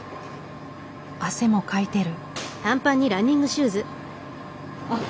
汗もかいてる。